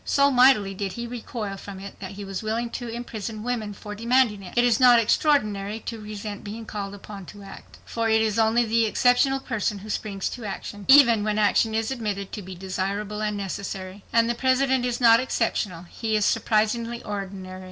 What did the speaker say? So mightily did he recoil from it that he was willing to imprison women for demanding it. It is not extraordinary to resent being called upon to act, for it is only the exceptional person who springs to action, even when action is admitted to be desirable and necessary. And the President is not exceptional. He is surprisingly ordinary.